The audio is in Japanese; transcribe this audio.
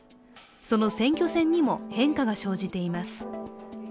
その選挙戦にも変化が生じています。